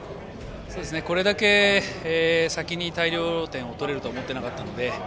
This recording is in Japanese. これだけ先に大量点を取れるとは思っていなかったので。